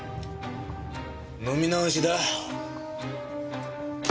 飲み直しだ。